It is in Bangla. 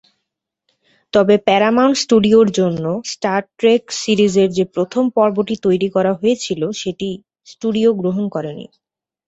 তবে প্যারামাউন্ট স্টুডিওর জন্য স্টার ট্রেক সিরিজের যে প্রথম পর্বটি তৈরি করা হয়েছিল সেটি স্টুডিও গ্রহণ করেনি।